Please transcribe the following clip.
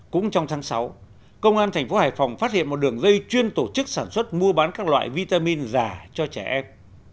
cũng trong tháng sáu công an thành phố hải phòng phát hiện một đường dây chuyên tổ chức sản xuất mua bán các loại vitamin giả cho trẻ em